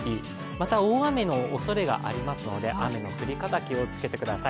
また大雨のおそれがありますので、雨の降り方気をつけてください。